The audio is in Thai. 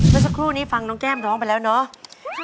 เมื่อสักครู่นี้ฟังน้องแก้มร้องไปแล้วเนาะ